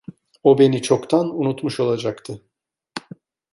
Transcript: O beni çoktan unutmuş olacaktı.